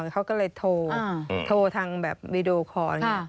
เขาก็เลยโทรทางแบบวีดีโอคอร์